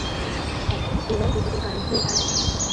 এখন এরাই বিপদের কারণ হয়ে দাঁড়ায়।